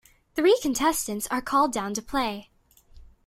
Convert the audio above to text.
Three contestants are called down to play.